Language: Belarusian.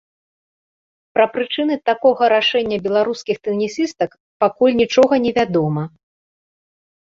Пра прычыны такога рашэння беларускіх тэнісістак пакуль нічога невядома.